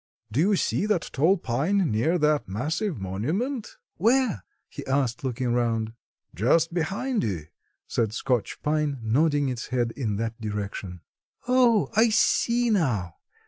"Do you see that tall pine near that massive monument?" "Where?" he asked, looking around. "Just behind you," said Scotch pine, nodding its head in that direction. "Oh, yes, I see now.